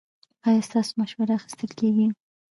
ایا ستاسو مشوره اخیستل کیږي؟